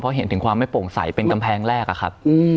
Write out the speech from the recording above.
เพราะเห็นถึงความไม่โปร่งใสเป็นกำแพงแรกอะครับ